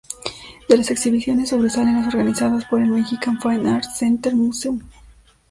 De las exhibiciones sobresalen las organizadas por el Mexican Fine Arts Center Museum.